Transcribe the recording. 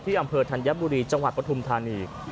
อำเภอธัญบุรีจังหวัดปฐุมธานี